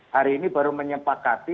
hari ini baru menyempakati